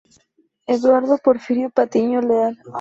Eduardo Porfirio Patiño Leal